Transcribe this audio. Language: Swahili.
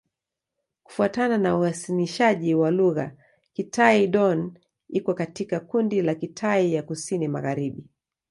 Kufuatana na uainishaji wa lugha, Kitai-Dón iko katika kundi la Kitai ya Kusini-Magharibi.